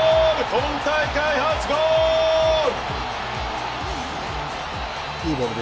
今大会初ゴール！